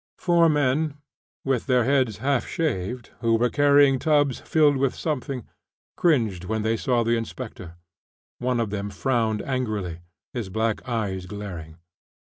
Four men, with their heads half shaved, who were carrying tubs filled with something, cringed when they saw the inspector. One of them frowned angrily, his black eyes glaring.